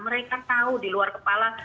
mereka tahu di luar kepala